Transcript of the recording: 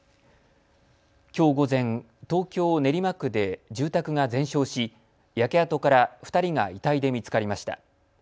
きょう午前、東京練馬区で住宅が全焼し焼け跡から２人が遺体で見つかりました。